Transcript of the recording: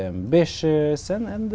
đã đi cùng anh